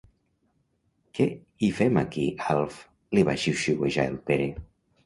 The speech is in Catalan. Què hi fem aquí, Alf? —li va xiuxiuejar el Pere.